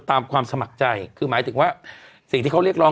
ความสมัครใจคือหมายถึงว่าสิ่งที่เขาเรียกร้อง